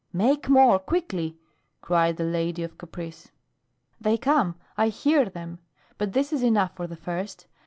"Make more quickly!" cried the lady of caprice. "They come. I hear them. But this is enough for the first.